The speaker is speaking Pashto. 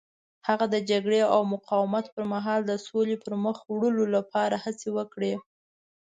هغه د جګړې او مقاومت پر مهال د سولې پرمخ وړلو لپاره هڅې وکړې.